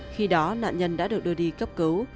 khi đó nạn nhân đã được đưa đi cấp cứu